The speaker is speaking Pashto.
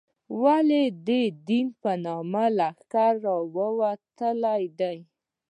ولې د دین په نامه لښکرې راوتلې دي.